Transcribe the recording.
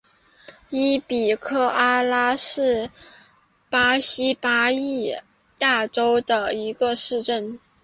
伊比科阿拉是巴西巴伊亚州的一个市镇。